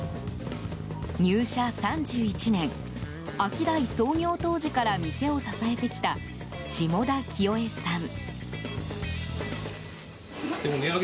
入社３１年アキダイ創業当時から店を支えてきた下田清江さん。